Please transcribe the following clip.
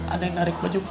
ada yang narik baju papi